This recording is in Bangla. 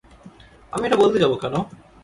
আমি এটা বলতে যাব কেন?